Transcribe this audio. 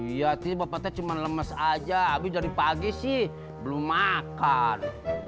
iya jadi bapaknya cuma lemes aja habis dari pagi sih belum makan